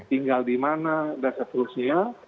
tinggal di mana dan seterusnya